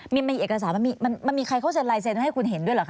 มีเอกสารมันมีใครเขาเซ็นลายเซ็นให้คุณเห็นด้วยเหรอค